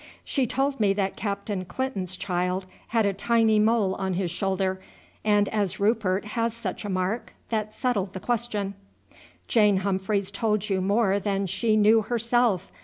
"She told me that Captain Clinton's child had a tiny mole on his shoulder, and as Rupert has such a mark, that settled the question." "Jane Humphreys told you more than she knew herself.